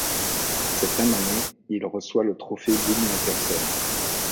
Cette même année, il reçoit le Trophée Bill Masterton.